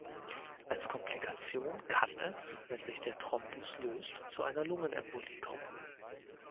Als Komplikation kann es, wenn sich der Thrombus löst, zu einer Lungenembolie kommen.